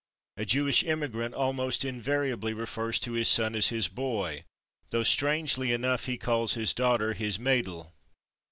A Jewish immigrant almost invariably refers to his son as his /boy/, though strangely enough he calls his daughter his /meidel